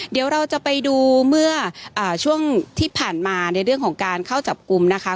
เดี๋ยวเราจะไปดูเมื่อช่วงที่ผ่านมาในเรื่องของการเข้าจับกลุ่มนะคะ